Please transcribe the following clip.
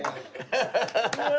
ハハハハ。